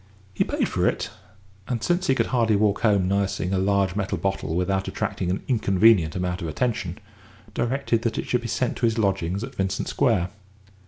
He paid for it, and, since he could hardly walk home nursing a large metal bottle without attracting an inconvenient amount of attention, directed that it should be sent to his lodgings at Vincent Square.